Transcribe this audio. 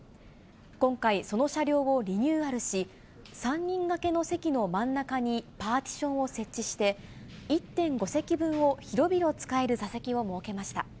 今回、その車両をリニューアルし、３人がけの席の真ん中にパーティションを設置して、１．５席分を広々使える座席を設けました。